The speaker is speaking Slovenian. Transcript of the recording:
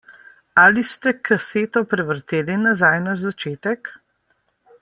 Ali ste kaseto prevrteli nazaj na začetek?